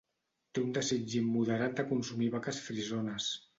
Té un desig immoderat de consumir vaques frisones.